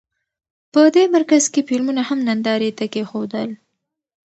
په دې مرکز کې فلمونه هم نندارې ته کېښودل.